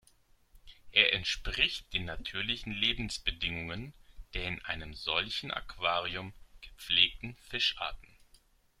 Er entspricht den natürlichen Lebensbedingungen der in einem solchen Aquarium gepflegten Fischarten.